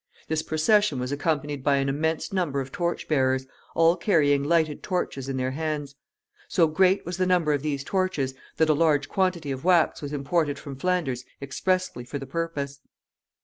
This procession was accompanied by an immense number of torch bearers, all carrying lighted torches in their hands. So great was the number of these torches, that a large quantity of wax was imported from Flanders expressly for the purpose.